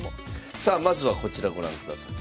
さあまずはこちらご覧ください。